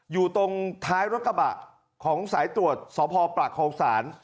อยู่ตรงท้ายรถกระบะของสายตรวจสภปรักษ์โครงสาร